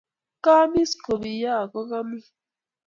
Kiamiss, kobiony ago komuny